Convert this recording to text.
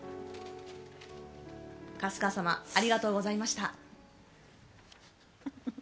春日様ありがとうございました。